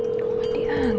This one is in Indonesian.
aku harus kasih tahu bang john